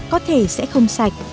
có thể sẽ không sạch